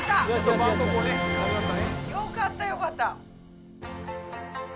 よかったよかった！